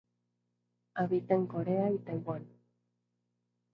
Habita en Corea y Taiwán.